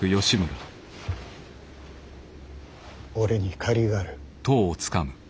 俺に借りがある。